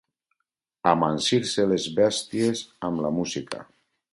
Amansir-se les bèsties amb la música.